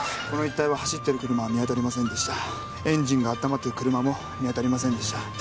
この一帯を走ってる車は見当たりませんでしたエンジンがあったまってる車も見当たりませんでした